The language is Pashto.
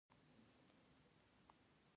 ټپي ته د امن ضرورت دی.